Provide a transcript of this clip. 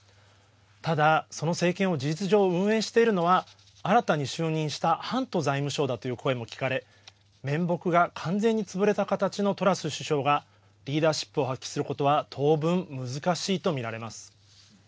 ただ、その政権を事実上、運営しているのは新たに就任したハント財務相だという声も聞かれ面目が完全につぶれた形のトラス首相がリーダーシップを発揮することは当分難しいと見られます。